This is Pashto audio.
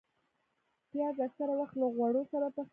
پیاز اکثره وخت له غوړو سره پخېږي